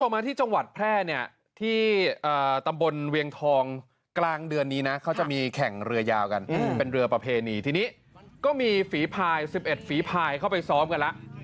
มาที่จังหวัดแพร่เนี่ยที่ตำบลเวียงทองกลางเดือนนี้นะเขาจะมีแข่งเรือยาวกันเป็นเรือประเพณีทีนี้ก็มีฝีพาย๑๑ฝีภายเข้าไปซ้อมกันแล้ว